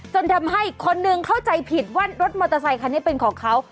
จนทำให้คนหนึ่งเข้าใจผิดว่ารถมอเตอร์ไซคันนี้เป็นของเขา